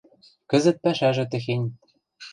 – Кӹзӹт пӓшӓжӹ тӹхень.